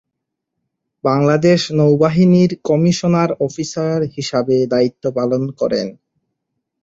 বাংলাদেশ সেনাবাহিনীর commissioner officer হিসেবে দায়িত্ব পালন করেন।